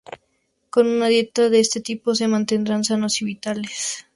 Con una dieta de este tipo se mantendrán sanos y vitales.